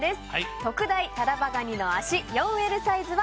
特大タラバガニの脚４Ｌサイズは。